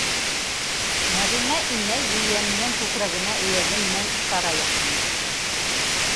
Нәғимә инәй ейәненең күкрәгенә эйәге менән ишара яһаны.